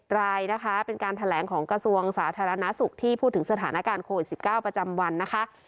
รายนะคะเป็นการแถลงของกระทรวงสาธารณสุขที่พูดถึงสถานการณ์โควิด๑๙ประจำวันนะคะ